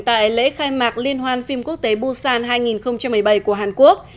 tại lễ khai mạc liên hoan phim quốc tế busan hai nghìn một mươi bảy của hàn quốc